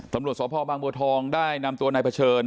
ตำรวจสพบางบัวทองได้นำตัวนายเผชิญ